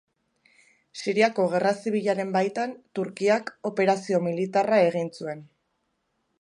Siriako gerra zibilaren baitan, Turkiak operazio militarra egin zuen.